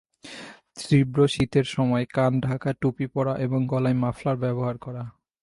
তীব্র শীতের সময় কান ঢাকা টুপি পরা এবং গলায় মাফলার ব্যবহার করা।